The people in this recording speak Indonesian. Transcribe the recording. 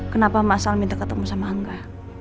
kenapa mas al minta ketemu sama angga